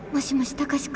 貴司君。